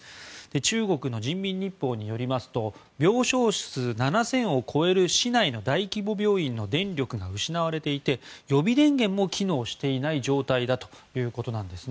中国の人民日報によりますと病床数７０００を超える市内の大規模病院の電力が失われていて予備電源も機能していない状態だということです。